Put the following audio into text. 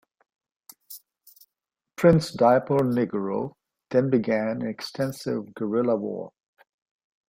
Prince Diponegoro then began an extensive guerrilla war.